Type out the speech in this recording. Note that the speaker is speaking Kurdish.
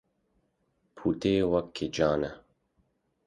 Pûtê we kîjan e?